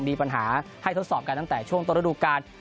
มีปัญหาให้ทดสอบกันตั้งแต่ช่วงต้นระดูการ